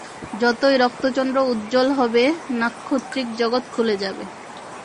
যতই রক্তচন্দ্র উজ্জ্বল হবে, নাক্ষত্রিক জগত খুলে যাবে।